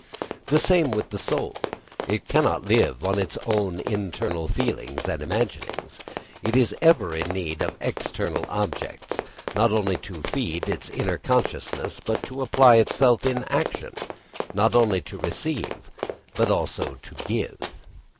The same with the soul. It cannot live on its own internal feelings and imaginings. It is ever in need of external objects; not only to feed its inner consciousness but to apply itself in action, not only to receive but also to give.